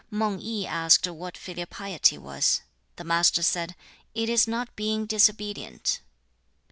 1. Mang I asked what filial piety was. The Master said, 'It is not being disobedient.'